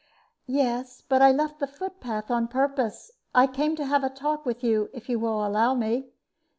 "Yes, but I left the foot path on purpose. I came to have a talk with you, if you will allow me."